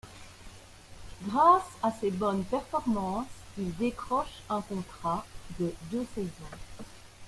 Grâce à ses bonnes performances il décroche un contrat de deux saisons.